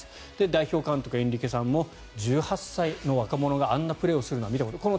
代表監督、エンリケさんも１８歳の若者があんなプレーをするのは見たことがない。